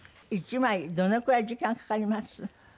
１枚どのくらい時間かかります？